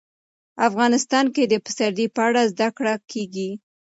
افغانستان کې د پسرلی په اړه زده کړه کېږي.